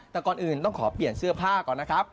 แต่ก่อนอื่นต้องขอเปลี่ยนเสื้อผ้าก่อนนะครับ